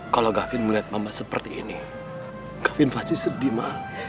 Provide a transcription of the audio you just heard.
kalau gafin melihat mama seperti ini gafin pasti sedih ma